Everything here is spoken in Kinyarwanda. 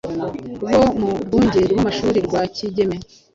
bo murwnge rw’amashuri rwa Kigeme